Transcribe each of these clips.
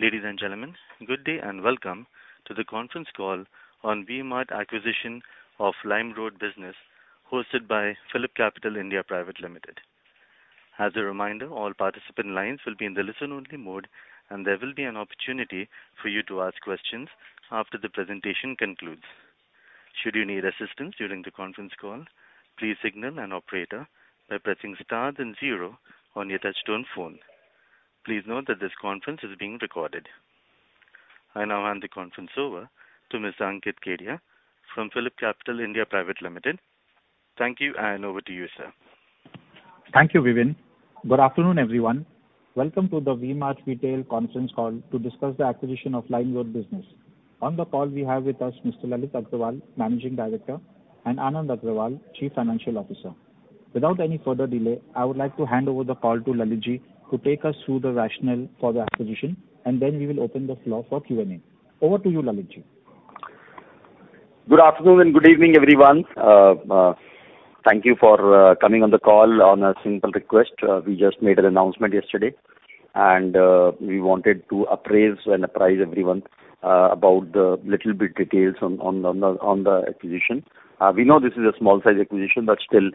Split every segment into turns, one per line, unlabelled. Ladies and gentlemen, good day and welcome to the conference call on V-Mart acquisition of LimeRoad business hosted by PhillipCapital India Private Limited. As a reminder, all participant lines will be in the listen-only mode, and there will be an opportunity for you to ask questions after the presentation concludes. Should you need assistance during the conference call, please signal an operator by pressing star then zero on your touchtone phone. Please note that this conference is being recorded. I now hand the conference over to Mr. Ankit Kedia from PhillipCapital India Private Limited. Thank you, and over to you, sir.
Thank you, Vivin. Good afternoon, everyone. Welcome to the V-Mart Retail Conference Call to discuss the acquisition of LimeRoad business. On the call we have with us Mr. Lalit Agarwal, Managing Director, and Anand Agarwal, Chief Financial Officer. Without any further delay, I would like to hand over the call to Lalitji to take us through the rationale for the acquisition, and then we will open the floor for Q&A. Over to you, Lalitji.
Good afternoon and good evening, everyone. Thank you for coming on the call on a simple request. We just made an announcement yesterday, and we wanted to appraise and apprise everyone about the little bit details on the acquisition. We know this is a small size acquisition, but still,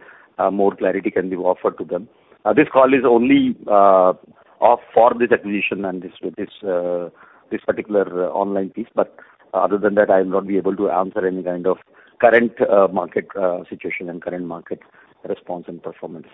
more clarity can be offered to them. This call is only for this acquisition and this particular online piece, but other than that, I will not be able to answer any kind of current market situation and current market response and performance.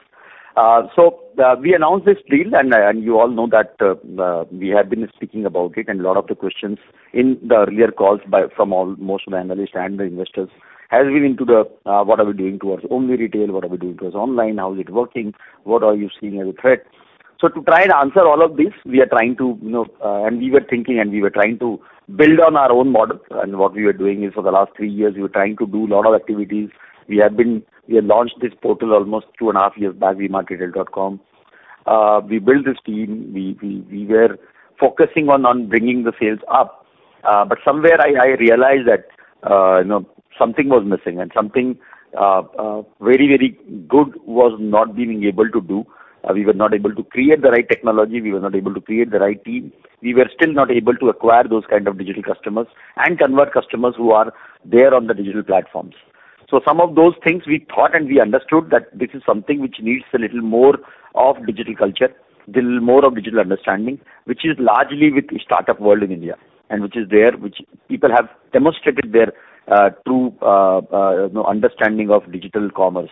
We announced this deal and you all know that we have been speaking about it and a lot of the questions in the earlier calls from almost all of the analysts and the investors have been what we are doing towards offline retail. What are we doing towards online? How is it working? What are you seeing as a threat? To try and answer all of this, we are trying to, you know, and we were thinking and we were trying to build on our own model. What we were doing is for the last three years, we were trying to do a lot of activities. We launched this portal almost two and a half years back, VmartRetail.com. We built this team. We were focusing on bringing the sales up. I realized that, you know, something was missing and something very good was not being able to do. We were not able to create the right technology. We were not able to create the right team. We were still not able to acquire those kind of digital customers and convert customers who are there on the digital platforms. Some of those things we thought and we understood that this is something which needs a little more of digital culture, little more of digital understanding, which is largely with startup world in India and which is there, which people have demonstrated their true, you know, understanding of digital commerce.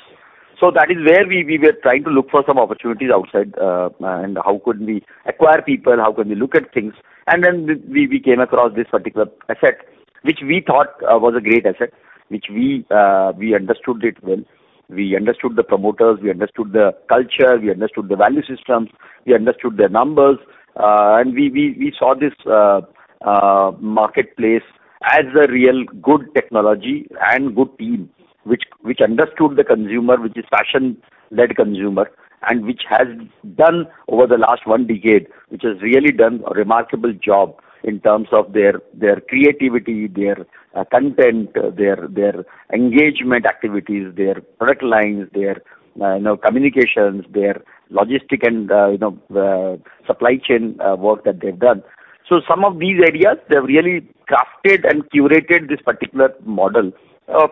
That is where we were trying to look for some opportunities outside, and how could we acquire people, how can we look at things. We came across this particular asset, which we thought was a great asset, which we understood it well. We understood the promoters, we understood the culture, we understood the value systems, we understood their numbers. We saw this marketplace as a real good technology and good team, which understood the consumer, which is fashion-led consumer, and which has done over the last one decade, which has really done a remarkable job in terms of their creativity, their content, their engagement activities, their product lines, their you know, communications, their logistics and you know, supply chain work that they've done. Some of these areas, they've really crafted and curated this particular model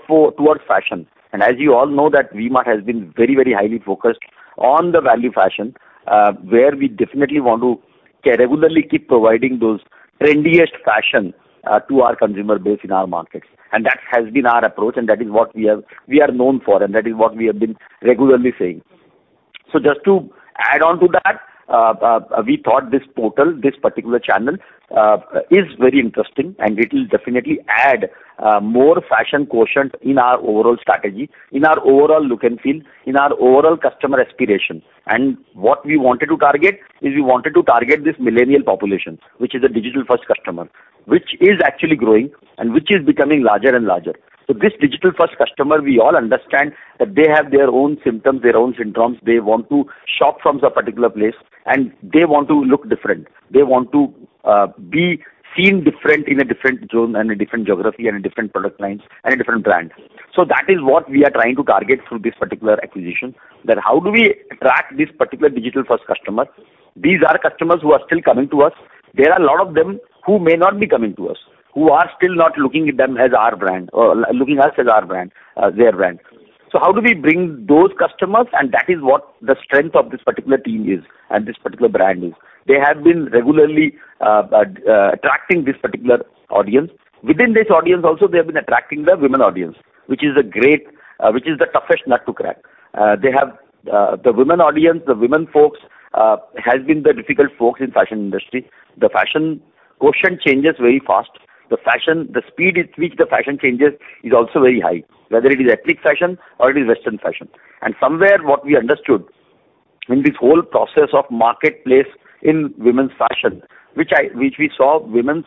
for towards fashion. As you all know that V-Mart has been very, very highly focused on the value fashion, where we definitely want to regularly keep providing those trendiest fashion to our consumer base in our markets. That has been our approach, and that is what we are known for, and that is what we have been regularly saying. Just to add on to that, we thought this portal, this particular channel is very interesting, and it will definitely add more fashion quotient in our overall strategy, in our overall look and feel, in our overall customer aspiration. What we wanted to target is we wanted to target this millennial population, which is a digital first customer, which is actually growing and which is becoming larger and larger. This digital-first customer, we all understand that they have their own symptoms, their own syndromes. They want to shop from a particular place, and they want to look different. They want to be seen different in a different zone and a different geography and a different product lines and a different brand. That is what we are trying to target through this particular acquisition. That's how we attract this particular digital-first customer. These are customers who are still coming to us. There are a lot of them who may not be coming to us, who are still not looking at them as our brand or looking at us as our brand, their brand. How do we bring those customers? That is what the strength of this particular team is and this particular brand is. They have been regularly attracting this particular audience. Within this audience also, they have been attracting the women audience, which is the toughest nut to crack. They have the women audience, the women folks has been the difficult folks in fashion industry. The fashion quotient changes very fast. The speed at which the fashion changes is also very high, whether it is ethnic fashion or it is Western fashion. Somewhere what we understood in this whole process of marketplace in women's fashion, which we saw women's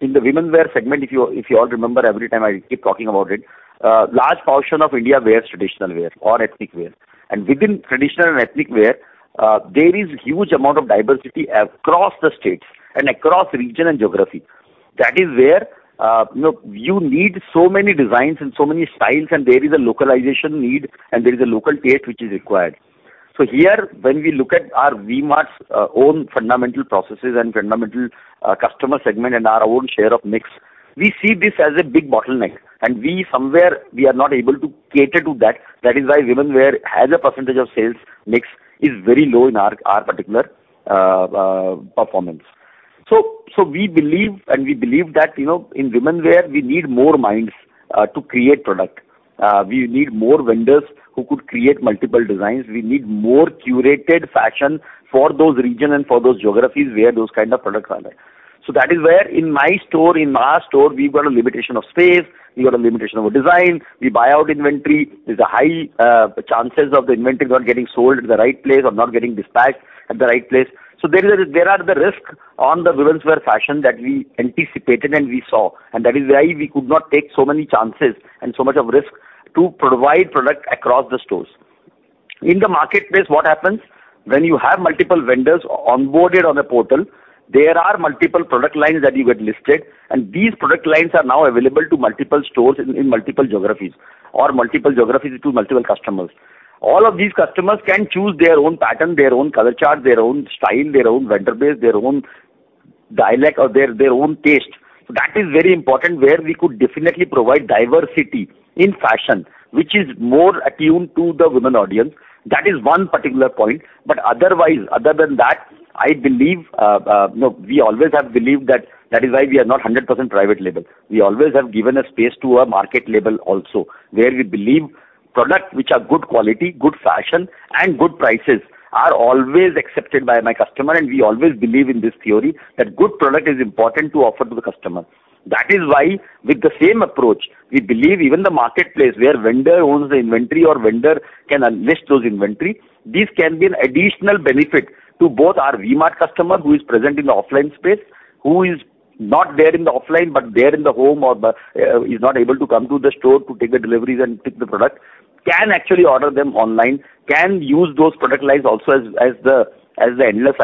in the women wear segment, if you all remember every time I keep talking about it, large portion of India wears traditional wear or ethnic wear. Within traditional and ethnic wear, there is huge amount of diversity across the states and across region and geography. That is where, you know, you need so many designs and so many styles, and there is a localization need, and there is a local taste which is required. Here, when we look at our V-Mart's own fundamental processes and fundamental customer segment and our own share of mix, we see this as a big bottleneck, and somewhere we are not able to cater to that. That is why women wear as a percentage of sales mix is very low in our particular performance. We believe that, you know, in women wear, we need more minds to create product. We need more vendors who could create multiple designs. We need more curated fashion for those regions and for those geographies where that kind of products are there. That is where in my store, in our store, we've got a limitation of space. We got a limitation of design. We buy our inventory. There's a high chance of the inventory not getting sold at the right place or not getting dispatched at the right place. There are risks on the women's wear fashion that we anticipated and we saw, and that is why we could not take so many chances and so much risk to provide products across the stores. In the marketplace, what happens when you have multiple vendors onboarded on a portal, there are multiple product lines that you get listed, and these product lines are now available to multiple stores in multiple geographies to multiple customers. All of these customers can choose their own pattern, their own color chart, their own style, their own vendor base, their own dialect or their own taste. That is very important, where we could definitely provide diversity in fashion, which is more attuned to the women audience. That is one particular point. Otherwise, other than that, I believe, no, we always have believed that that is why we are not 100% private label. We always have given a space to a market label also, where we believe product which are good quality, good fashion and good prices are always accepted by my customer, and we always believe in this theory that good product is important to offer to the customer. That is why with the same approach, we believe even the marketplace where vendor owns the inventory or vendor can unleash those inventory, this can be an additional benefit to both our V-Mart customer who is present in the offline space, who is not there in the offline but there in the home or the, is not able to come to the store to take the deliveries and take the product, can actually order them online, can use those product lines also as the endless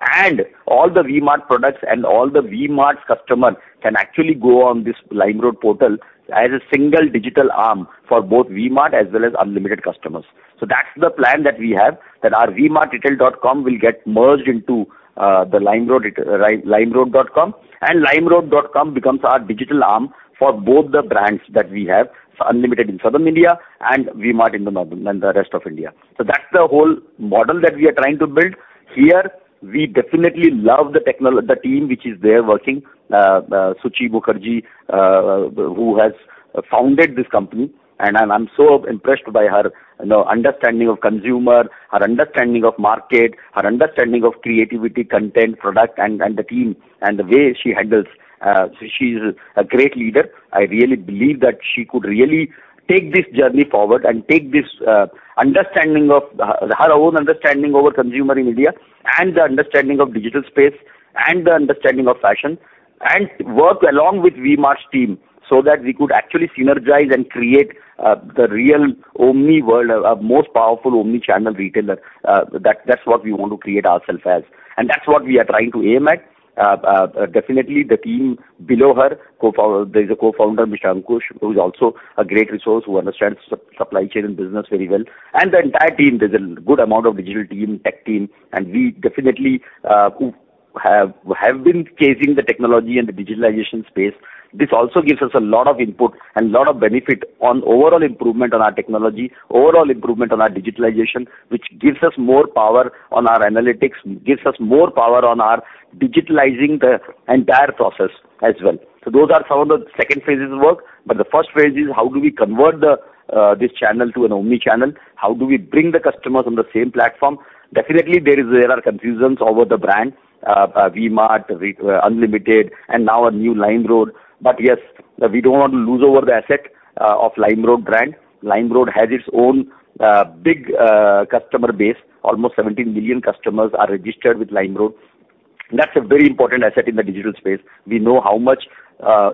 aisle. All the V-Mart products and all the V-Mart customer can actually go on this LimeRoad portal as a single digital arm for both V-Mart as well as Unlimited customers. That's the plan that we have, that our V-Mart Retail dot com will get merged into the LimeRoad re-- LimeRoad dot com and LimeRoad dot com becomes our digital arm for both the brands that we have, Unlimited in Southern India and V-Mart in the northern and the rest of India. That's the whole model that we are trying to build. Here, we definitely love the team which is there working. Suchi Mukherjee, who has founded this company, and I'm so impressed by her, you know, understanding of consumer, her understanding of market, her understanding of creativity, content, product, and the team and the way she handles. She's a great leader. I really believe that she could really take this journey forward and take this understanding of her own understanding of consumer in India and the understanding of digital space and the understanding of fashion, and work along with V-Mart's team so that we could actually synergize and create the real omni world, a most powerful omni channel retailer. That's what we want to create ourselves as, and that's what we are trying to aim at. Definitely the team below her, there is a co-founder, Mr. Ankush, who is also a great resource, who understands supply chain and business very well. The entire team, there's a good amount of digital team, tech team, and we definitely who have been chasing the technology and the digitalization space. This also gives us a lot of input and lot of benefit on overall improvement on our technology, overall improvement on our digitalization, which gives us more power on our analytics, gives us more power on our digitalizing the entire process as well. Those are some of the second phases of work. On the first preview is how do we convert this channel to an omni channel? How do we bring the customers on the same platform? Definitely there are confusions over the brand, V-Mart, Unlimited, and now a new LimeRoad. Yes, we don't want to lose out on the asset of LimeRoad brand. LimeRoad has its own big customer base. Almost 17 million customers are registered with LimeRoad. That's a very important asset in the digital space. We know how much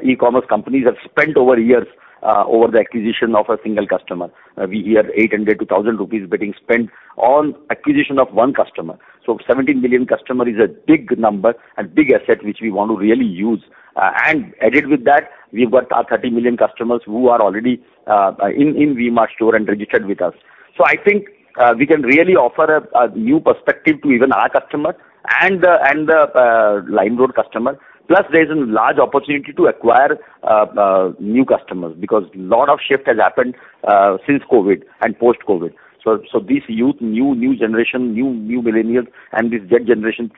e-commerce companies have spent over years over the acquisition of a single customer. We hear 800-1,000 rupees being spent on acquisition of one customer. 17 million customers is a big number and big asset which we want to really use. Added with that, we've got our 30 million customers who are already in V-Mart store and registered with us. I think we can really offer a new perspective to even our customer and the LimeRoad customer. Plus there is a large opportunity to acquire new customers because lot of shift has happened since COVID and post-COVID. This youth new generation new millennials and this Z generation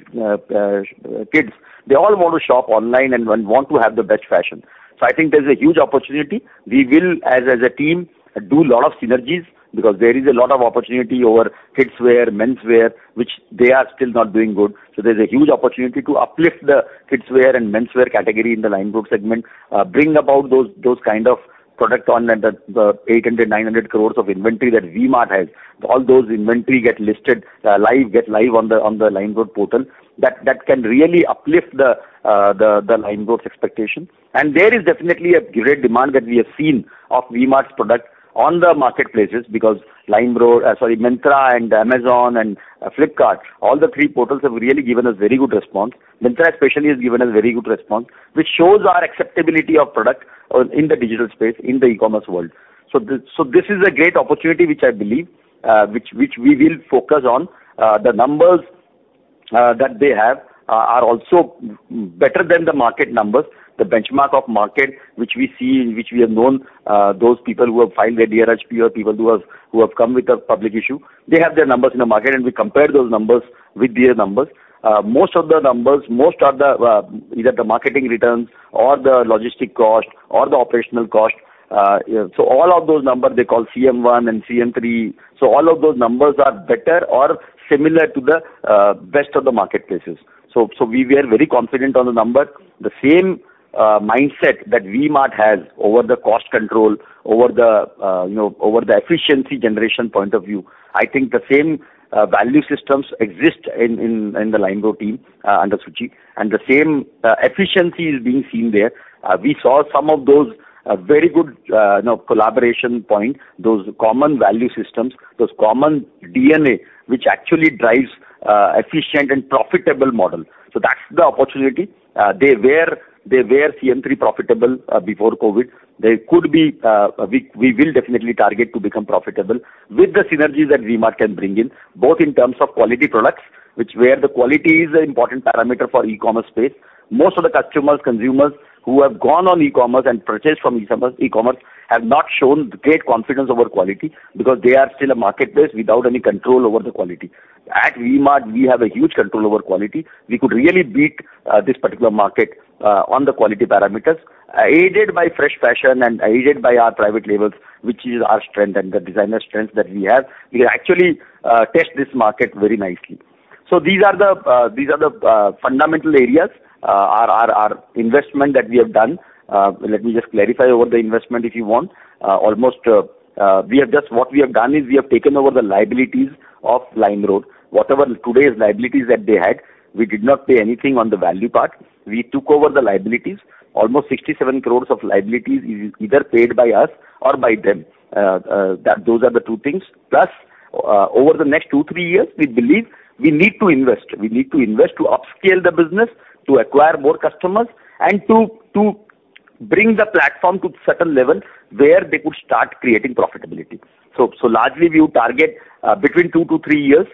kids they all want to shop online and want to have the best fashion. I think there is a huge opportunity. We will as a team do lot of synergies because there is a lot of opportunity over kidswear, menswear, which they are still not doing good. There's a huge opportunity to uplift the kidswear and menswear category in the LimeRoad segment. Bring about those kind of product on the 800-900 crore of inventory that V-Mart has. All those inventory get listed live on the LimeRoad portal. That can really uplift the LimeRoad's expectation. There is definitely a great demand that we have seen of V-Mart's product on the marketplaces because LimeRoad, Myntra and Amazon and Flipkart, all three portals have really given us very good response. Myntra especially has given us very good response, which shows our acceptability of product in the digital space, in the e-commerce world. This is a great opportunity, which I believe, which we will focus on. The numbers that they have are also much better than the market numbers. The benchmark of market which we see and which we have known, those people who have filed their DRHP or people who have come with a public issue, they have their numbers in the market, and we compare those numbers with their numbers. Most of the numbers, either the marketing returns or the logistics cost or the operational cost. All of those numbers, they call CM1 and CM3. All of those numbers are better or similar to the best of the marketplaces. We were very confident on the number. The same mindset that V-Mart has over the cost control, over you know, over the efficiency generation point of view. I think the same value systems exist in the LimeRoad team under Suchi and the same efficiency is being seen there. We saw some of those very good you know collaboration point, those common value systems, those common DNA, which actually drives efficient and profitable model. That's the opportunity. They were CM3 profitable before COVID. They could be. We will definitely target to become profitable with the synergies that V-Mart can bring in, both in terms of quality products, where the quality is an important parameter for e-commerce space. Most of the customers, consumers who have gone on e-commerce and purchased from e-commerce have not shown great confidence over quality because they are still a marketplace without any control over the quality. At V-Mart, we have a huge control over quality. We could really beat this particular market on the quality parameters, aided by fresh fashion and aided by our private labels, which is our strength and the designer strengths that we have. We can actually test this market very nicely. These are the fundamental areas our investment that we have done. Let me just clarify over the investment, if you want. What we have done is we have taken over the liabilities of LimeRoad. Whatever today's liabilities that they had, we did not pay anything on the value part. We took over the liabilities. Almost 67 crore of liabilities is either paid by us or by them. Those are the two things. Plus, over the next two to three years, we believe we need to invest. We need to invest to upscale the business, to acquire more customers, and to bring the platform to certain level where they could start creating profitability. Largely we would target between two to three years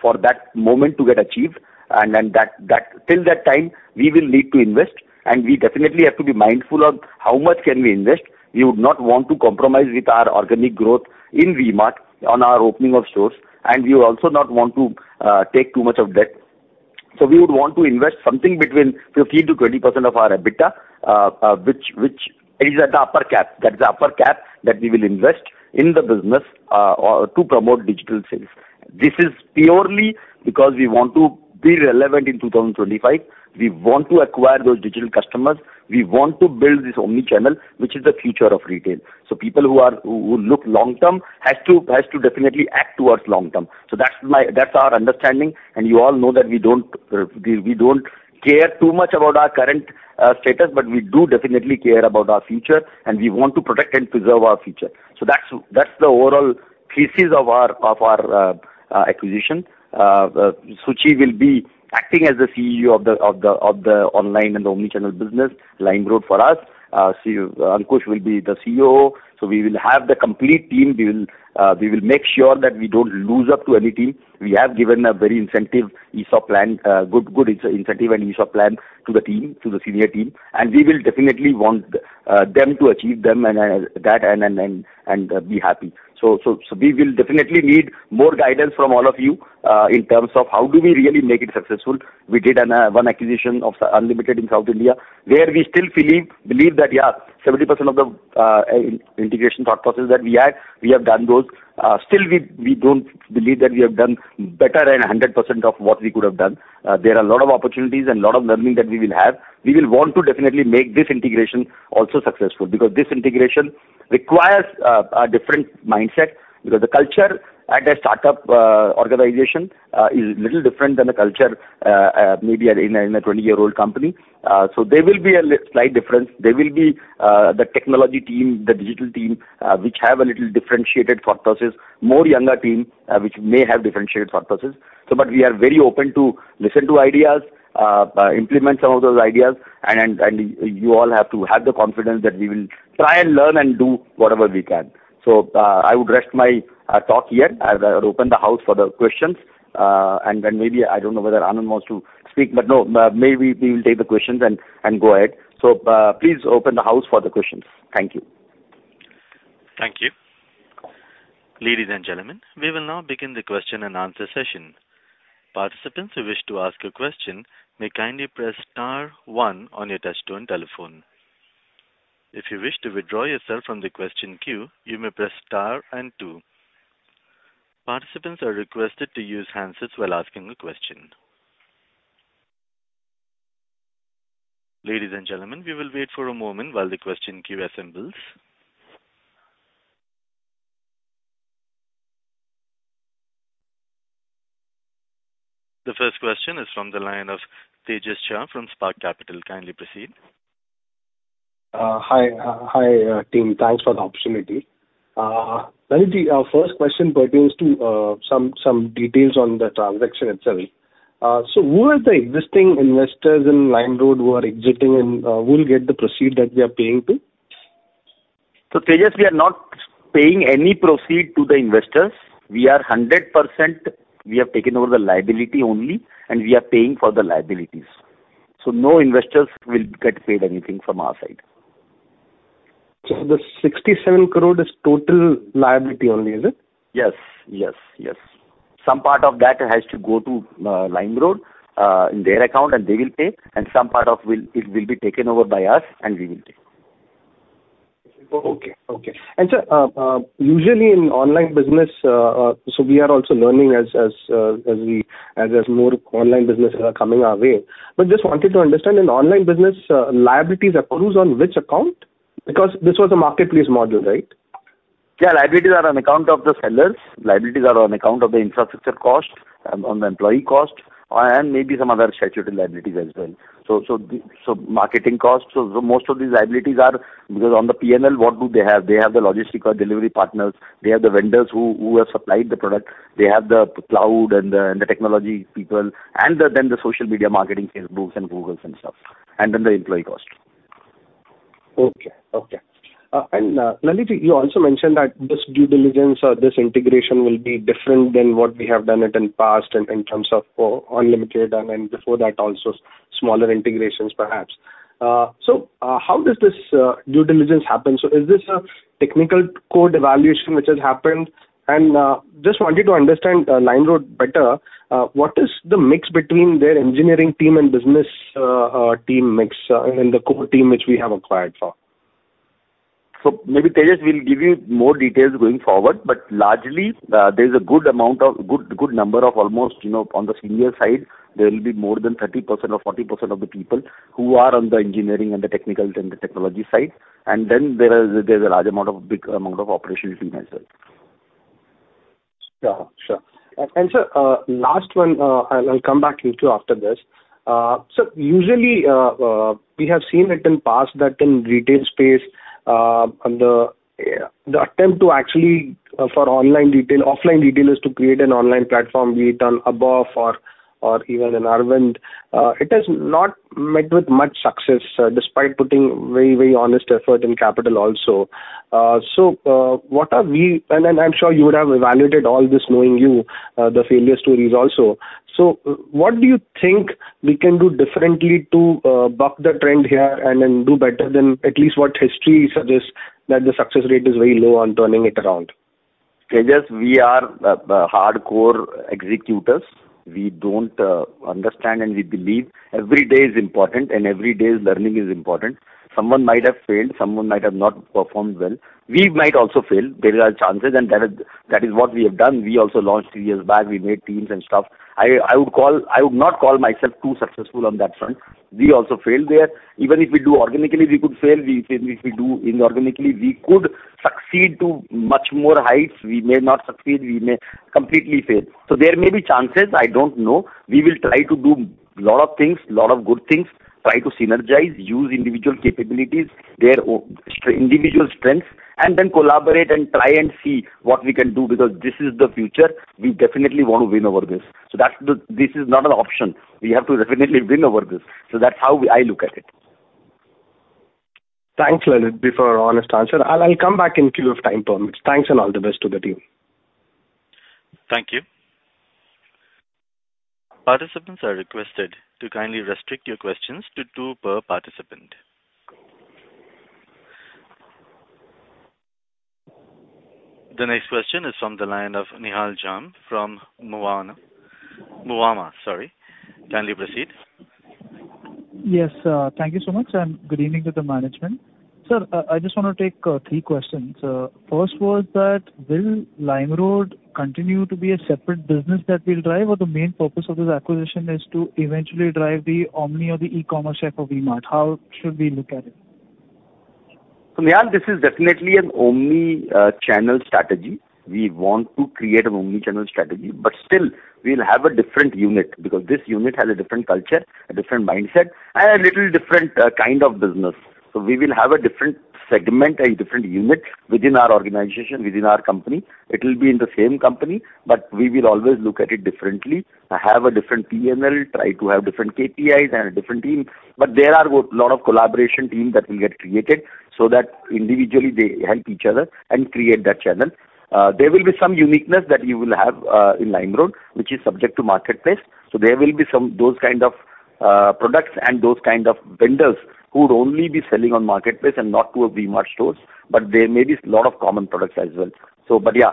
for that moment to get achieved. Till that time we will need to invest. We definitely have to be mindful of how much can we invest. We would not want to compromise with our organic growth in V-Mart on our opening of stores. We also not want to take too much of debt. We would want to invest something between 15%-20% of our EBITDA, which is at the upper cap. That is the upper cap that we will invest in the business, or to promote digital sales. This is purely because we want to be relevant in 2025. We want to acquire those digital customers. We want to build this omni-channel, which is the future of retail. People who look long-term has to definitely act towards long-term. That's our understanding. You all know that we don't care too much about our current status, but we do definitely care about our future, and we want to protect and preserve our future. That's the overall thesis of our acquisition. Suchi will be acting as the CEO of the online and the omni-channel business LimeRoad for us. Ankush will be the CEO. We will have the complete team. We will make sure that we don't lose out to any team. We have given a very good incentive and ESOP plan to the team, to the senior team, and we will definitely want them to achieve them and that and be happy. We will definitely need more guidance from all of you in terms of how do we really make it successful. We did one acquisition of Unlimited in South India, where we still believe that, yeah, 70% of the integration thought process that we had, we have done those. Still, we don't believe that we have done better than 100% of what we could have done. There are a lot of opportunities and a lot of learning that we will have. We will want to definitely make this integration also successful because this integration requires a different mindset because the culture at a startup organization is little different than a culture maybe in a in a 20-year-old company. There will be a slight difference. There will be the technology team, the digital team which have a little differentiated thought process, more younger team which may have differentiated thought process. We are very open to listen to ideas, implement some of those ideas, and you all have to have the confidence that we will try and learn and do whatever we can. I would rest my talk here. I would open the house for the questions. Then maybe I don't know whether Anand wants to speak, but no, maybe we will take the questions and go ahead. Please open the floor for the questions. Thank you.
Thank you. Ladies and gentlemen, we will now begin the question and answer session. Participants who wish to ask a question may kindly press star one on your touchtone telephone. If you wish to withdraw yourself from the question queue, you may press star and two. Participants are requested to use handsets while asking a question. Ladies and gentlemen, we will wait for a moment while the question queue assembles. The first question is from the line of Tejas Shah from Spark Capital. Kindly proceed.
Hi, team. Thanks for the opportunity. Sanjeevji, our first question pertains to some details on the transaction itself. Who are the existing investors in LimeRoad who are exiting and who will get the proceeds that we are paying to? Tejas, we are not paying any proceeds to the investors. We are 100%, we have taken over the liability only, and we are paying for the liabilities. No investors will get paid anything from our side. The 67 crore is total liability only, is it?
Yes. Some part of that has to go to LimeRoad in their account, and they will pay, and some part of it will be taken over by us, and we will pay.
Okay. Sir, usually in online business, so we are also learning as there's more online businesses are coming our way. Just wanted to understand, in online business, liabilities accrues on which account? Because this was a marketplace model, right?
Yeah, liabilities are on account of the sellers. Liabilities are on account of the infrastructure costs and on the employee cost, and maybe some other statutory liabilities as well. Marketing costs. Most of these liabilities are because on the P&L, what do they have? They have the logistic or delivery partners. They have the vendors who have supplied the product. They have the cloud and the technology people and then the social media marketing, Facebook and Google and stuff, and then the employee cost.
Okay, Lalit, you also mentioned that this due diligence or this integration will be different than what we have done it in past in terms of Unlimited and then before that also smaller integrations perhaps. How does this due diligence happen? Is this a technical code evaluation which has happened? Just wanted to understand LimeRoad better. What is the mix between their engineering team and business team mix and the core team which we have acquired for?
Maybe Tejas will give you more details going forward, but largely, there's a good number of almost, you know, on the senior side, there will be more than 30% or 40% of the people who are on the engineering and the technical and the technology side. Then there's a large amount of operational team as well.
Yeah. Sure. Sir, last one, I'll come back to you too after this. Usually, we have seen it in past that in retail space, the attempt to actually for online retail, offline retailers to create an online platform, be it in ABFRL or even in Arvind, it has not met with much success, despite putting very, very honest effort and capital also. I'm sure you would have evaluated all this knowing you, the failure stories also. What do you think we can do differently to buck the trend here and then do better than at least what history suggests that the success rate is very low on turning it around?
Tejas, we are hardcore executors. We don't understand, and we believe every day is important and every day's learning is important. Someone might have failed, someone might have not performed well. We might also fail. There are chances, and that is what we have done. We also launched three years back. We made teams and stuff. I would not call myself too successful on that front. We also failed there. Even if we do organically, we could fail. If we do inorganically, we could succeed to much more heights. We may not succeed. We may completely fail. There may be chances, I don't know. We will try to do lot of things, lot of good things, try to synergize, use individual capabilities, their own individual strengths, and then collaborate and try and see what we can do because this is the future. We definitely want to win over this. This is not an option. We have to definitely win over this. That's how I look at it.
Thanks, Lalit, for honest answer. I'll come back in queue if time permits. Thanks and all the best to the team.
Thank you. Participants are requested to kindly restrict your questions to two per participant. The next question is from the line of Nihal Jham from [HSBC], sorry. Kindly proceed.
Yes. Thank you so much, and good evening to the management. Sir, I just wanna take three questions. First was that, will LimeRoad continue to be a separate business that we'll drive? Or the main purpose of this acquisition is to eventually drive the omni or the e-commerce tech for V-Mart? How should we look at it?
Nihal, this is definitely an omni-channel strategy. We want to create an omni-channel strategy, but still we'll have a different unit because this unit has a different culture, a different mindset, and a little different kind of business. We will have a different segment, a different unit within our organization, within our company. It'll be in the same company, but we will always look at it differently. Have a different P&L, try to have different KPIs and a different team. But there are lot of collaboration team that will get created so that individually they help each other and create that channel. There will be some uniqueness that you will have in LimeRoad, which is subject to marketplace. There will be some, those kind of, products and those kind of vendors who would only be selling on marketplace and not to a V-Mart stores, but there may be lot of common products as well. Yeah,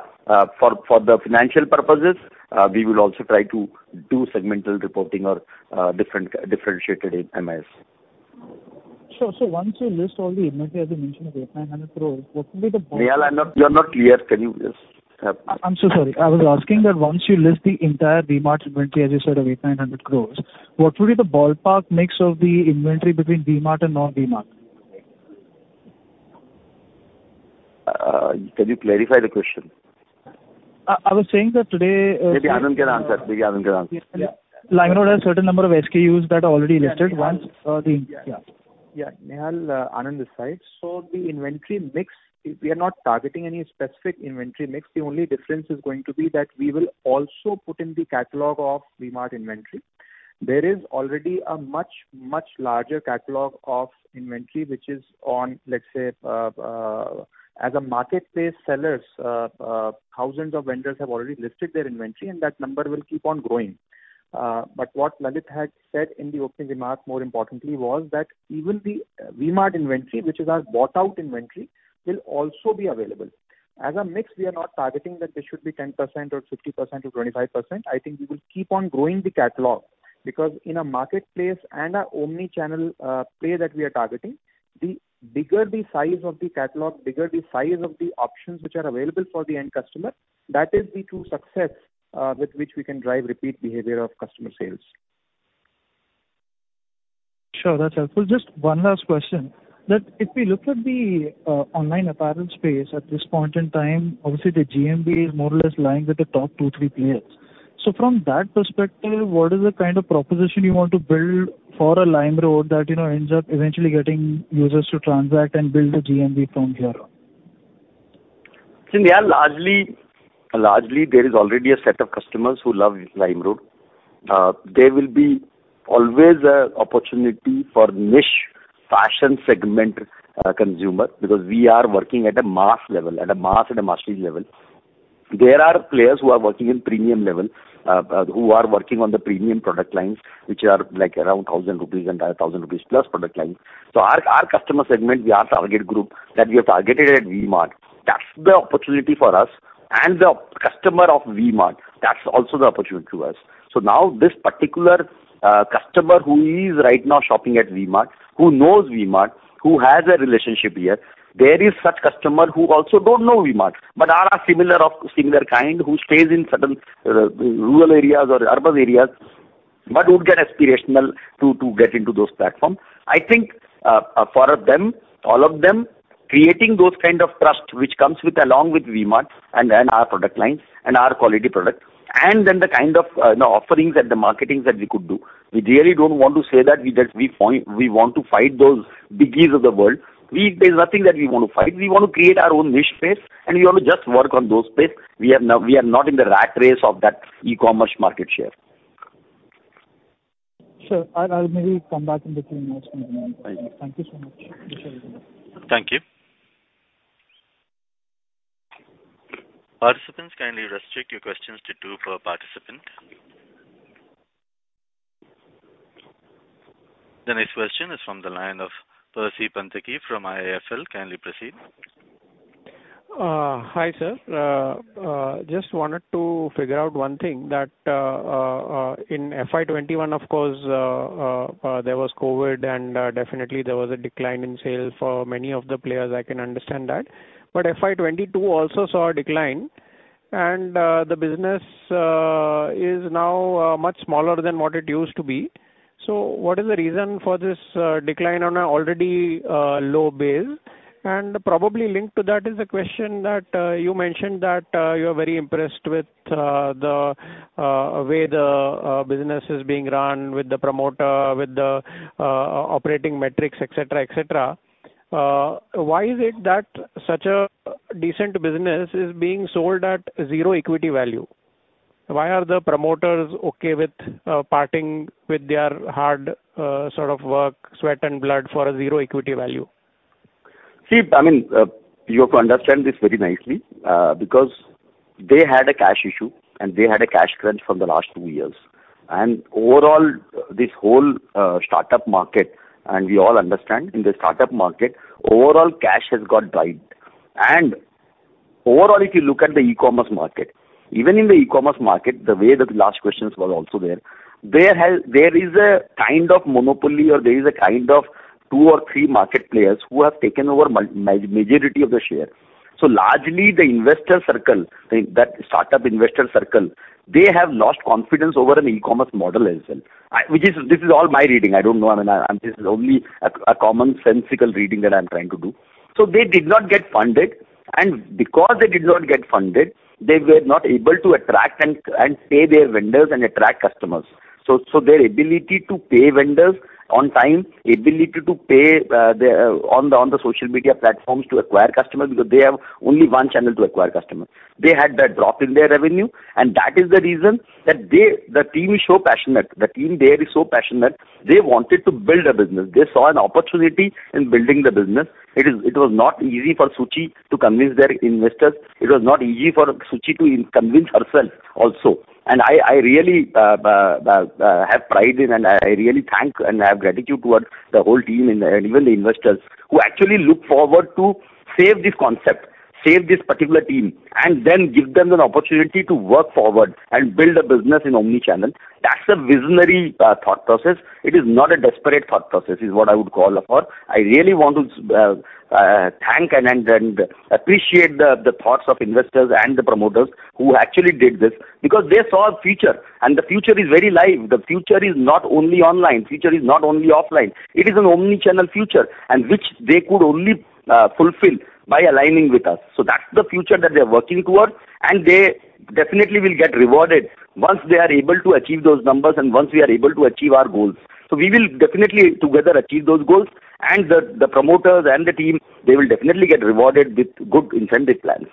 for the financial purposes, we will also try to do segmental reporting or, different, differentiated in MIS.
Sure. Once you list all the inventory, as you mentioned, [INR 800 crores], what will be the-
Nihal, you're not clear. Can you just-
I'm so sorry. I was asking that once you list the entire V-Mart inventory, as you said, of 800 crore, what will be the ballpark mix of the inventory between V-Mart and non-V-Mart?
Can you clarify the question?
I was saying that today.
Maybe Anand can answer.
LimeRoad has certain number of SKUs that are already listed.
Yeah. Nihal, Anand this side. The inventory mix, we are not targeting any specific inventory mix. The only difference is going to be that we will also put in the catalog of V-Mart inventory. There is already a much, much larger catalog of inventory which is on, let's say, as marketplace sellers, thousands of vendors have already listed their inventory, and that number will keep on growing. What Lalit had said in the opening remarks, more importantly, was that even the V-Mart inventory, which is our bought-out inventory, will also be available. As a mix, we are not targeting that this should be 10% or 50% or 25%. I think we will keep on growing the catalog because in a marketplace and our omni-channel play that we are targeting, the bigger the size of the catalog, bigger the size of the options which are available for the end customer, that is the true success with which we can drive repeat behavior of customer sales.
Sure. That's helpful. Just one last question. That if we look at the online apparel space at this point in time, obviously the GMV is more or less lying with the top two, three players. From that perspective, what is the kind of proposition you want to build for a LimeRoad that, you know, ends up eventually getting users to transact and build the GMV from here on?
Largely, there is already a set of customers who love LimeRoad. There will be always an opportunity for niche fashion segment consumer, because we are working at a mass level. There are players who are working in premium level who are working on the premium product lines, which are, like, around 1,000 rupees and 1,000 rupees plus product lines. So our customer segment, our target group that we have targeted at V-Mart. That's the opportunity for us and the customer of V-Mart. That's also the opportunity to us. Now this particular customer who is right now shopping at V-Mart, who knows V-Mart, who has a relationship here. There is such customer who also don't know V-Mart, but are similar of similar kind, who stays in certain rural areas or urban areas, but would get aspirational to get into those platforms. I think for them, all of them, creating those kind of trust which comes along with V-Mart and then our product lines and our quality product, and then the kind of offerings and the marketings that we could do. We really don't want to say that we want to fight those biggies of the world. There's nothing that we want to fight. We want to create our own niche space, and we want to just work on that space. We are not in the rat race of that e-commerce market share.
Sure. I'll maybe come back in the Q&A session.
Right.
Thank you so much. Appreciate it.
Thank you. Participants, kindly restrict your questions to two per participant. The next question is from the line of Percy Panthaki from IIFL. Kindly proceed.
Hi, sir. Just wanted to figure out one thing, that, in FY 2021, of course, there was COVID, and definitely there was a decline in sales for many of the players. I can understand that. FY 2022 also saw a decline, and the business is now much smaller than what it used to be. What is the reason for this decline on a already low base? Probably linked to that is a question that you mentioned that you're very impressed with the way the business is being run with the promoter, with the operating metrics, et cetera, et cetera. Why is it that such a decent business is being sold at zero equity value? Why are the promoters okay with parting with their hard sort of work, sweat and blood for a zero equity value?
See, I mean, you have to understand this very nicely, because they had a cash issue, and they had a cash crunch from the last two years. Overall, this whole startup market, and we all understand, in the startup market, overall cash has got dried. Overall, if you look at the e-commerce market, even in the e-commerce market, the way that the last questions were also there is a kind of monopoly or there is a kind of two or three market players who have taken over majority of the share. Largely, the investor circle, I mean, that startup investor circle, they have lost confidence over an e-commerce model as well. Which is, this is all my reading. I don't know. I mean, this is only a commonsensical reading that I'm trying to do. They did not get funded, and because they did not get funded, they were not able to attract and pay their vendors and attract customers. Their ability to pay vendors on time, ability to pay on the social media platforms to acquire customers, because they have only one channel to acquire customers. They had that drop in their revenue, and that is the reason that they, the team is so passionate. The team there is so passionate. They wanted to build a business. They saw an opportunity in building the business. It was not easy for Suchi to convince their investors. It was not easy for Suchi to convince herself also. I really have pride in, and I really thank and I have gratitude towards the whole team and even the investors who actually look forward to save this concept, save this particular team, and then give them an opportunity to work forward and build a business in omni-channel. That's a visionary thought process. It is not a desperate thought process, is what I would call for. I really want to thank and appreciate the thoughts of investors and the promoters who actually did this because they saw a future, and the future is very live. The future is not only online. Future is not only offline. It is an omni-channel future, and which they could only fulfill by aligning with us. That's the future that they're working towards, and they definitely will get rewarded once they are able to achieve those numbers and once we are able to achieve our goals. We will definitely together achieve those goals. The promoters and the team, they will definitely get rewarded with good incentive plans.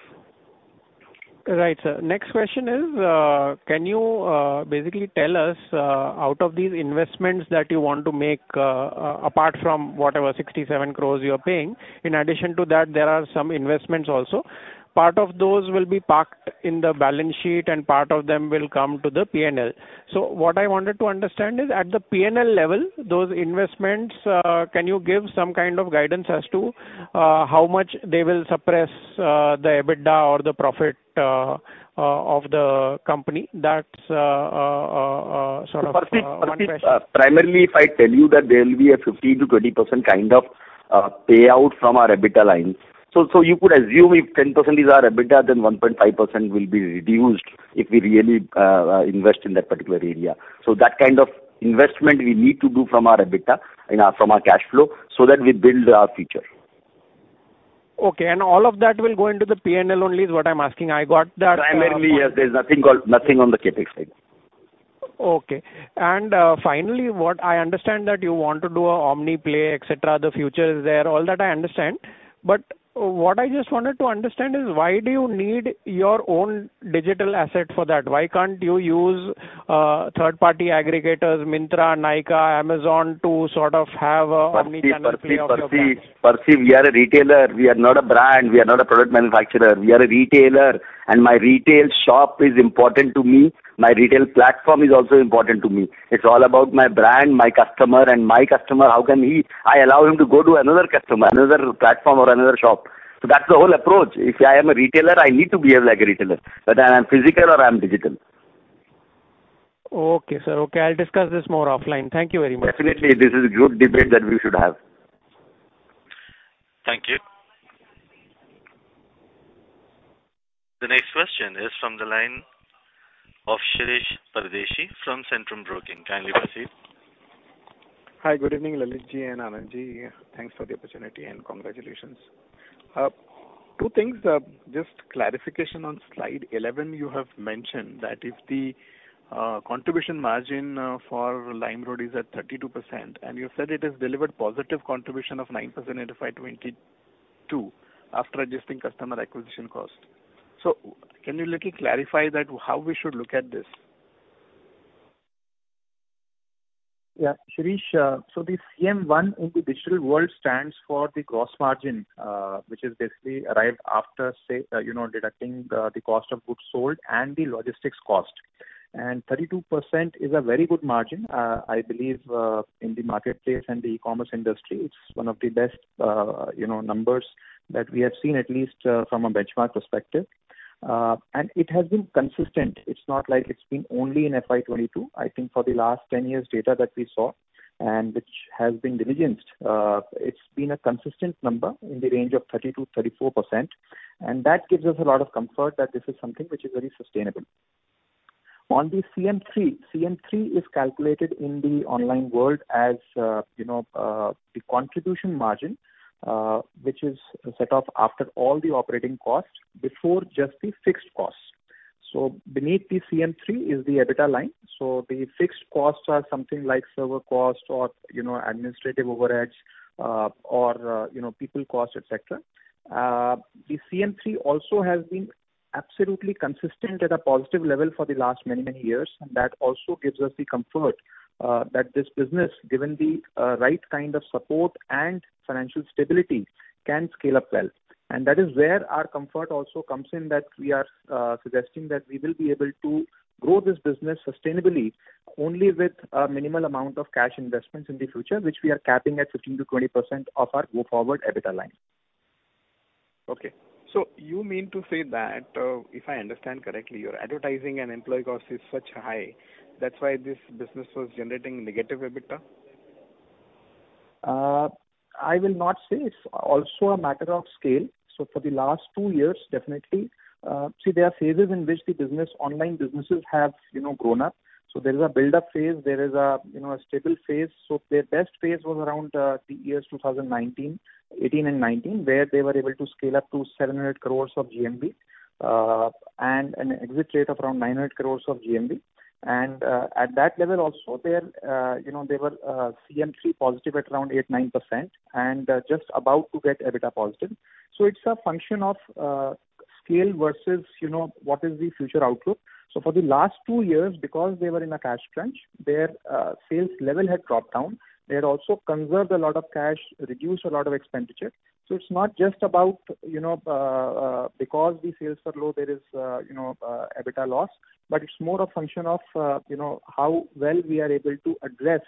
Right, sir. Next question is, can you basically tell us out of these investments that you want to make, apart from whatever 67 crore you are paying, in addition to that, there are some investments also. Part of those will be parked in the balance sheet and part of them will come to the P&L. What I wanted to understand is at the P&L level, those investments, can you give some kind of guidance as to how much they will suppress the EBITDA or the profit of the company? That's sort of one question.
Percy, primarily, if I tell you that there will be a 15%-20% kind of payout from our EBITDA line. You could assume if 10% is our EBITDA, then 1.5% will be reduced if we really invest in that particular area. That kind of investment we need to do from our EBITDA and from our cash flow so that we build our future.
Okay. All of that will go into the P&L only is what I'm asking. I got that.
Primarily, yes. There's nothing on the CapEx side.
Okay. Finally, what I understand that you want to do a omni play, et cetera. The future is there. All that I understand. What I just wanted to understand is why do you need your own digital asset for that? Why can't you use third-party aggregators, Myntra, Nykaa, Amazon, to sort of have a omni channel play of your brands?
Percy. We are a retailer. We are not a brand. We are not a product manufacturer. We are a retailer, and my retail shop is important to me. My retail platform is also important to me. It's all about my brand, my customer, how can I allow him to go to another customer, another platform or another shop. That's the whole approach. If I am a retailer, I need to behave like a retailer, whether I'm physical or I'm digital.
Okay, sir. Okay, I'll discuss this more offline. Thank you very much.
Definitely. This is a good debate that we should have.
Thank you. The next question is from the line of Shirish Pardeshi from Centrum Broking. Kindly proceed.
Hi, good evening, Lalitji and Anandji. Thanks for the opportunity and congratulations. Two things. Just clarification on slide 11, you have mentioned that if the contribution margin for LimeRoad is at 32%, and you said it has delivered positive contribution of 9% in FY 2022 after adjusting customer acquisition cost. Can you little clarify that how we should look at this?
Yeah. Shirish, so the CM1 in the digital world stands for the gross margin, which is basically arrived after say, you know, deducting the cost of goods sold and the logistics cost. 32% is a very good margin. I believe in the marketplace and the e-commerce industry, it's one of the best, you know, numbers that we have seen at least from a benchmark perspective. It has been consistent. It's not like it's been only in FY 2022. I think for the last 10 years data that we saw and which has been diligenced, it's been a consistent number in the range of 30%-34%, and that gives us a lot of comfort that this is something which is very sustainable. On the CM3 is calculated in the online world as, you know, the contribution margin, which is set off after all the operating costs before just the fixed costs. Beneath the CM3 is the EBITDA line. The fixed costs are something like server cost or, you know, administrative overheads, or, you know, people cost, et cetera. The CM3 also has been absolutely consistent at a positive level for the last many, many years, and that also gives us the comfort, that this business, given the right kind of support and financial stability, can scale up well. That is where our comfort also comes in, that we are suggesting that we will be able to grow this business sustainably only with a minimal amount of cash investments in the future, which we are capping at 15%-20% of our go forward EBITDA line.
Okay. You mean to say that, if I understand correctly, your advertising and employee cost is so high, that's why this business was generating negative EBITDA?
I will not say. It's also a matter of scale. For the last two years, definitely. See, there are phases in which the business, online businesses have, you know, grown up. There is a build-up phase. There is, you know, a stable phase. Their best phase was around the years 2018 and 2019, where they were able to scale up to 700 crores of GMV, and an exit rate of around 900 crores of GMV. And at that level also they were CM3 positive at around 8%-9%, and just about to get EBITDA positive. It's a function of scale versus what is the future outlook. For the last two years, because they were in a cash crunch, their sales level had dropped down. They had also conserved a lot of cash, reduced a lot of expenditure. It's not just about, you know, because the sales are low, there is, you know, EBITDA loss. It's more a function of, you know, how well we are able to address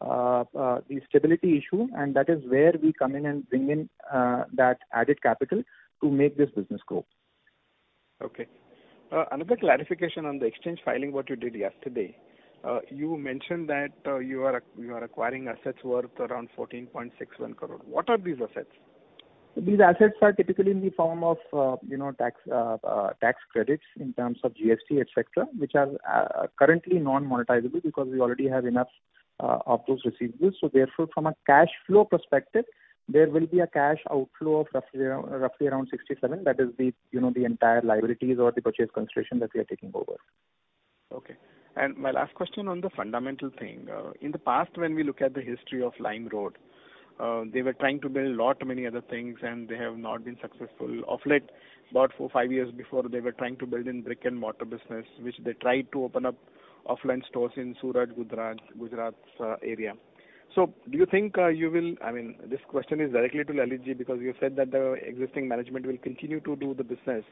the stability issue, and that is where we come in and bring in that added capital to make this business grow.
Okay. Another clarification on the exchange filing, what you did yesterday. You mentioned that you are acquiring assets worth around 14.61 crore. What are these assets?
These assets are typically in the form of, you know, tax credits in terms of GST, et cetera, which are currently non-monetizable because we already have enough of those receivables. Therefore, from a cash flow perspective, there will be a cash outflow of roughly around 67. That is the, you know, the entire liabilities or the purchase consideration that we are taking over.
Okay. My last question on the fundamental thing. In the past, when we look at the history of LimeRoad, they were trying to build lot many other things, and they have not been successful. Of late, about four, five years before, they were trying to build in brick and mortar business, which they tried to open up offline stores in Surat, Gujarat's area. Do you think, I mean, this question is directly to Lalitji because you've said that the existing management will continue to do the business.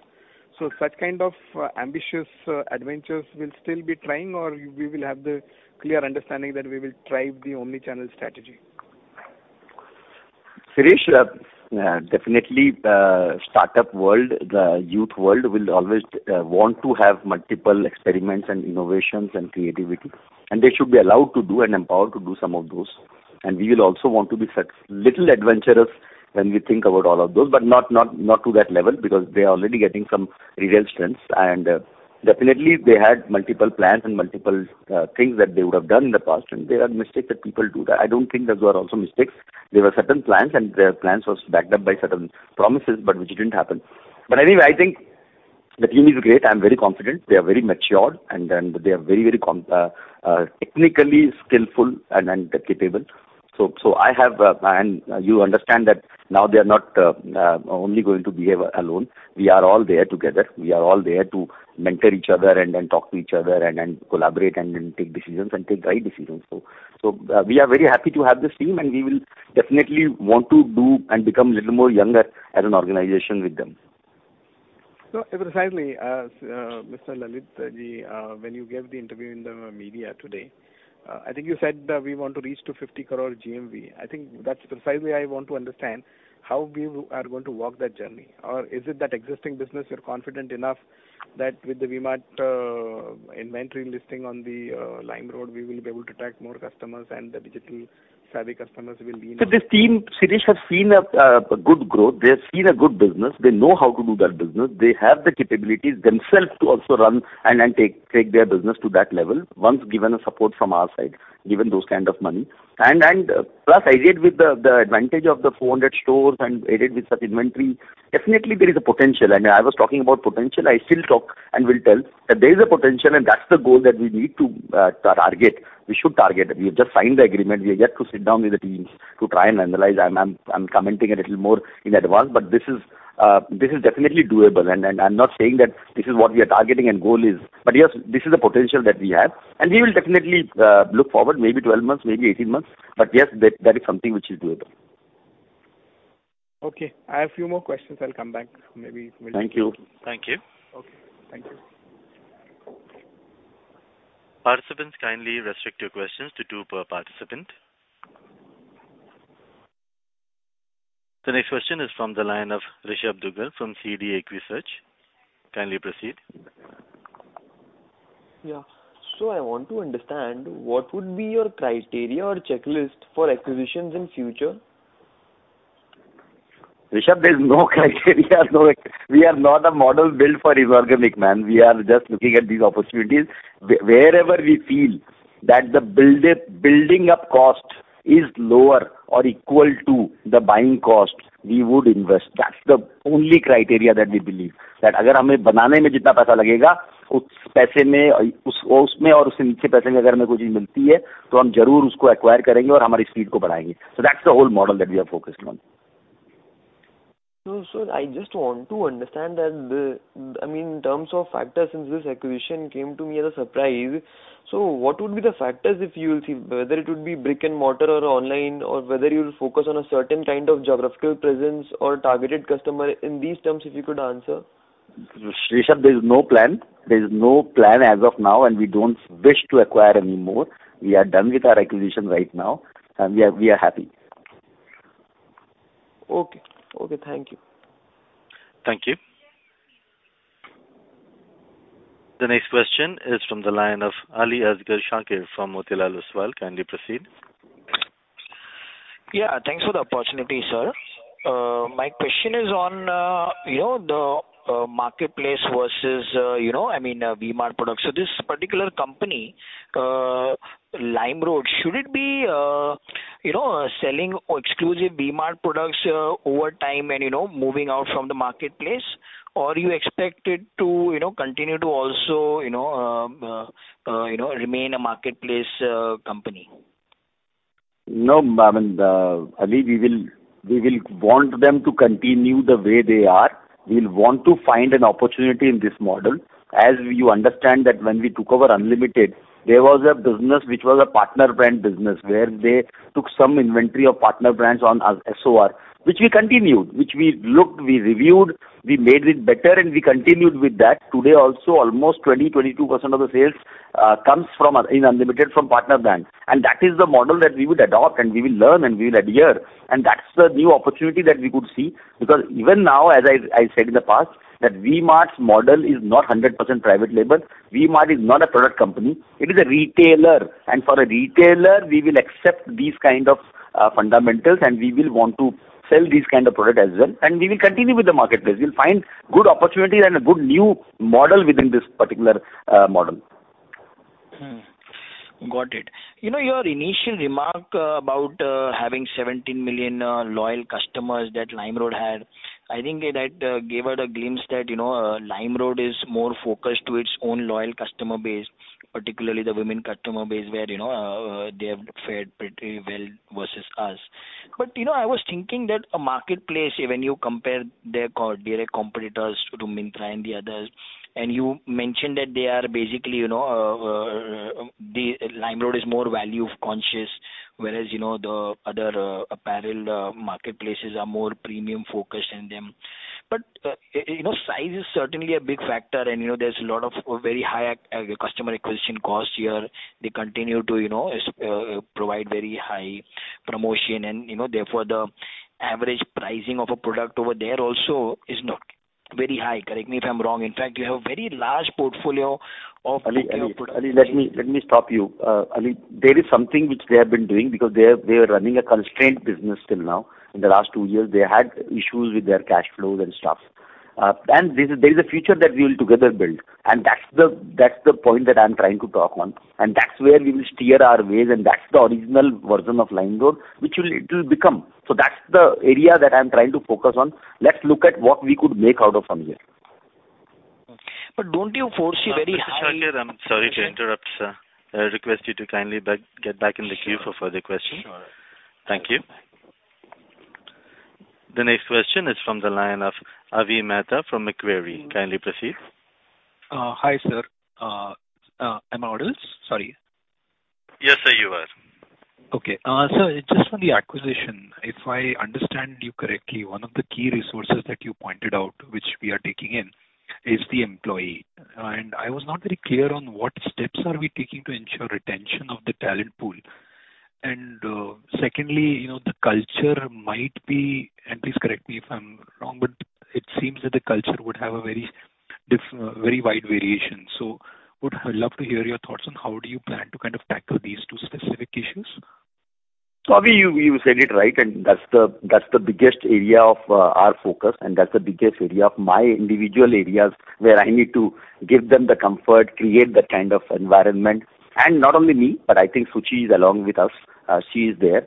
Such kind of ambitious adventures will still be trying, or we will have the clear understanding that we will try the omni-channel strategy?
Shirish Pardeshi, definitely the startup world, the youth world will always want to have multiple experiments and innovations and creativity, and they should be allowed to do and empowered to do some of those. We will also want to be a little adventurous when we think about all of those, but not to that level because they are already getting some real strengths. Definitely they had multiple plans and multiple things that they would have done in the past. There are mistakes that people do that. I don't think those were also mistakes. There were certain plans, and their plans was backed up by certain promises, but which didn't happen. Anyway, I think the team is great. I'm very confident. They are very mature, and they are very technically skillful and capable. You understand that now they are not only going to behave alone. We are all there together. We are all there to mentor each other and then talk to each other and collaborate and then take decisions and take right decisions. We are very happy to have this team, and we will definitely want to do and become little more younger as an organization with them.
No, precisely. As Mr. Lalitji, when you gave the interview in the media today, I think you said that we want to reach to 50 crore GMV. I think that's precisely I want to understand how we are going to walk that journey. Is it that existing business you're confident enough that with the V-Mart inventory listing on the LimeRoad, we will be able to attract more customers and the digital savvy customers will be.
This team, Shirish, has seen a good growth. They have seen a good business. They know how to do that business. They have the capabilities themselves to also run and take their business to that level once given a support from our side, given those kind of money. Plus, indeed with the advantage of the 400 stores and aided with such inventory, definitely there is a potential. I was talking about potential. I still talk and will tell that there is a potential, and that's the goal that we need to target. We should target. We have just signed the agreement. We are yet to sit down with the teams to try and analyze. I'm commenting a little more in advance, but this is definitely doable. I'm not saying that this is what we are targeting and goal is, but yes, this is the potential that we have, and we will definitely look forward maybe 12 months, maybe 18 months. Yes, that is something which is doable.
Okay. I have a few more questions. I'll come back. Maybe we'll.
Thank you. Thank you.
Okay. Thank you.
Participants, kindly restrict your questions to two per participant. The next question is from the line of Rishabh Dugar from CD Equisearch. Kindly proceed.
Yeah. I want to understand what would be your criteria or checklist for acquisitions in future?
Rishabh, there is no criteria. No, we are not a model built for inorganic, man. We are just looking at these opportunities. Wherever we feel that the building up cost is lower or equal to the buying cost, we would invest. That's the only criteria that we believe. That's the whole model that we are focused on.
sir, I just want to understand I mean, in terms of factors, since this acquisition came to me as a surprise, so what would be the factors if you'll see, whether it would be brick and mortar or online or whether you'll focus on a certain kind of geographical presence or targeted customer? In these terms, if you could answer.
Rishabh, there's no plan. There's no plan as of now, and we don't wish to acquire any more. We are done with our acquisition right now, and we are happy.
Okay. Okay, thank you.
Thank you. The next question is from the line of Aliasgar Shakir from Motilal Oswal. Kindly proceed.
Yeah, thanks for the opportunity, sir. My question is on, you know, the, marketplace versus, you know, I mean, V-Mart products. This particular company, LimeRoad, should it be, you know, selling exclusive V-Mart products, over time and, you know, moving out from the marketplace? You expect it to, you know, continue to also, you know, remain a marketplace, company?
No, I mean, Ali, we will want them to continue the way they are. We'll want to find an opportunity in this model. As you understand that when we took over Unlimited, there was a business which was a partner brand business, where they took some inventory of partner brands on our SOR, which we continued, which we looked, we reviewed, we made it better, and we continued with that. Today also, almost 22% of the sales comes from partner brands in Unlimited. That is the model that we would adopt, and we will learn, and we will adhere. That's the new opportunity that we could see. Because even now, as I said in the past, that V-Mart's model is not 100% private label. V-Mart is not a product company. It is a retailer. For a retailer, we will accept these kind of fundamentals, and we will want to sell these kind of product as well. We will continue with the marketplace. We'll find good opportunities and a good new model within this particular model.
Got it. You know, your initial remark about having 17 million loyal customers that LimeRoad had, I think that gave us a glimpse that, you know, LimeRoad is more focused to its own loyal customer base, particularly the women customer base where, you know, they have fared pretty well versus us. You know, I was thinking that a marketplace, when you compare their direct competitors to Myntra and the others, and you mentioned that they are basically you know, the LimeRoad is more value conscious, whereas you know the other apparel marketplaces are more premium focused in them. You know, size is certainly a big factor and, you know, there's a lot of very high customer acquisition costs here. They continue to, you know, provide very high promotion and, you know, therefore, the average pricing of a product over there also is not very high. Correct me if I'm wrong. In fact, you have a very large portfolio of premium products.
Ali, let me stop you. Ali, there is something which they have been doing because they are running a constrained business till now. In the last two years, they had issues with their cash flows and stuff. There is a future that we will together build, and that's the point that I'm trying to talk on, and that's where we will steer our ways, and that's the original version of LimeRoad, which it will become. That's the area that I'm trying to focus on. Let's look at what we could make out of from here.
Don't you foresee very high?
Mr. Aliasgar Shakir, I'm sorry to interrupt, sir. I request you to kindly get back in the queue for further questions.
Sure.
Thank you. The next question is from the line of Avi Mehta from Macquarie. Kindly proceed.
Hi, sir. Am I audible? Sorry.
Yes, sir. You are.
Okay. Sir, just on the acquisition, if I understand you correctly, one of the key resources that you pointed out, which we are taking in is the employee. I was not very clear on what steps are we taking to ensure retention of the talent pool. Secondly, you know, the culture might be, and please correct me if I'm wrong, but it seems that the culture would have a very wide variation. Would love to hear your thoughts on how do you plan to kind of tackle these two specific issues.
Avi, you said it right, and that's the biggest area of our focus, and that's the biggest area of my individual areas where I need to give them the comfort, create the kind of environment. Not only me, but I think Suchi is along with us. She is there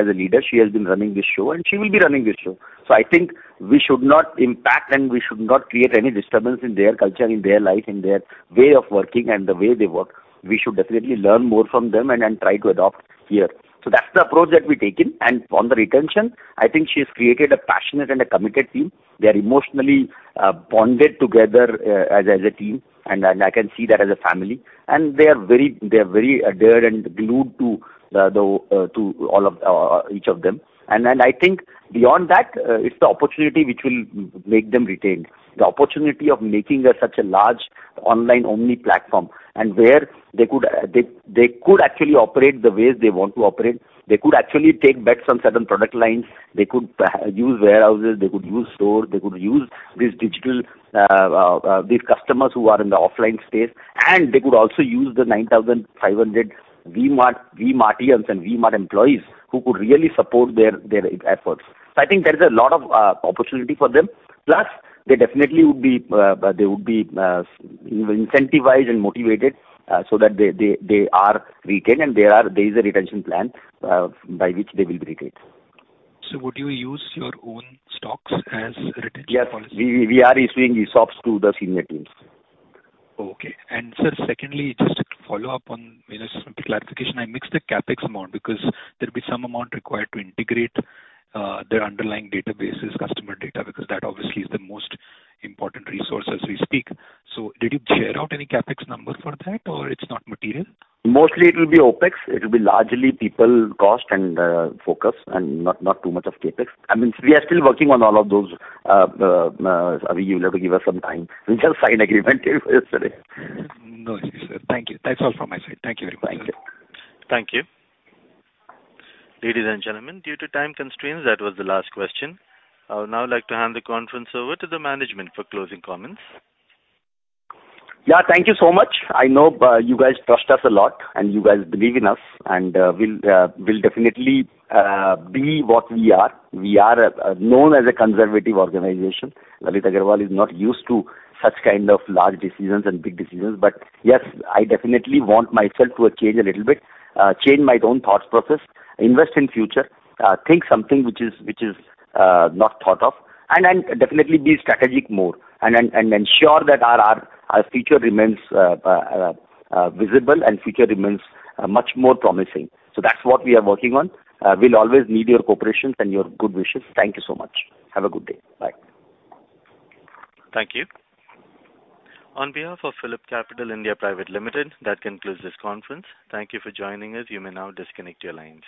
as a leader. She has been running this show, and she will be running this show. I think we should not impact, and we should not create any disturbance in their culture, in their life, in their way of working and the way they work. We should definitely learn more from them and try to adopt here. That's the approach that we've taken. On the retention, I think she's created a passionate and a committed team. They are emotionally bonded together as a team. I can see that as a family. They are very dear and glued to all of each of them. I think beyond that, it's the opportunity which will make them retained. The opportunity of making such a large online-only platform and where they could they could actually operate the ways they want to operate. They could actually take back some certain product lines. They could use warehouses, they could use store, they could use these digital these customers who are in the offline space. They could also use the 9,500 V-Mart, Vmartians and V-Mart employees who could really support their efforts. I think there is a lot of opportunity for them. Plus, they definitely would be incentivized and motivated, so that they are retained, and there is a retention plan by which they will be retained.
Would you use your own stocks as retention policy?
Yes. We are issuing ESOPs to the senior teams.
Okay. Sir, secondly, just to follow up on, you know, some clarification, I missed the CapEx amount because there'll be some amount required to integrate their underlying databases, customer data, because that obviously is the most important resource as we speak. Did you share out any CapEx numbers for that or it's not material?
Mostly it will be OpEx. It will be largely people cost and focus and not too much of CapEx. I mean, we are still working on all of those. Avi, you'll have to give us some time. We just signed agreement yesterday.
No issues, sir. Thank you. That's all from my side. Thank you very much.
Thank you.
Thank you. Ladies and gentlemen, due to time constraints, that was the last question. I would now like to hand the conference over to the management for closing comments.
Yeah, thank you so much. I know you guys trust us a lot, and you guys believe in us, and we'll definitely be what we are. We are known as a conservative organization. Lalit Agarwal is not used to such kind of large decisions and big decisions. Yes, I definitely want myself to change a little bit, change my own thought process, invest in future, think something which is not thought of, and definitely be strategic more and ensure that our future remains visible and future remains much more promising. That's what we are working on. We'll always need your cooperation and your good wishes. Thank you so much. Have a good day. Bye.
Thank you. On behalf of PhillipCapital India Private Limited, that concludes this conference. Thank you for joining us. You may now disconnect your lines.